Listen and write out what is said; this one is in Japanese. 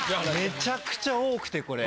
めちゃくちゃ多くてこれ。